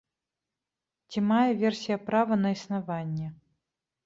Ці мае версія права на існаванне?